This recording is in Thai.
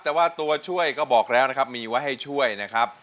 แต่ว่าตัวช่วยก็บอกแล้วนะครับมีไว้ให้ช่วยนะครับ